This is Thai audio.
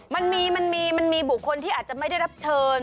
มันมีมันมีบุคคลที่อาจจะไม่ได้รับเชิญ